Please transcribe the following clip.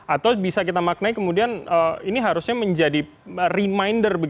atau bisa kita maknai kemudian ini harusnya menjadi reminder